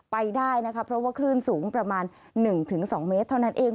ไปได้นะคะเพราะว่าคลื่นสูงประมาณ๑๒เมตรเท่านั้นเอง